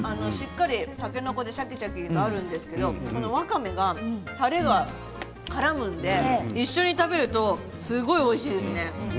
食感がたけのこでシャキシャキしてるんですけどわかめが、たれとからむので一緒に食べるとすごいおいしいですね。